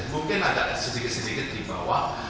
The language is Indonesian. mungkin agak sedikit sedikit di bawah